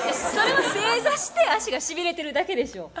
それは正座して足がしびれてるだけでしょ。